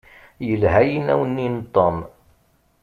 Yelha yinaw-nni n Tom.